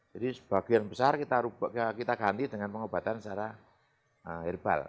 jadi sebagian besar kita ganti dengan pengobatan secara herbal